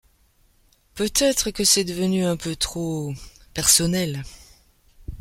Peut-être que c’est devenu un peu trop. .. personnel.